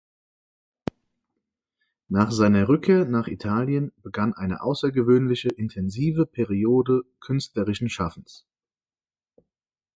Nach seiner Rückkehr nach Italien begann eine außergewöhnliche, intensive Periode künstlerischen Schaffens.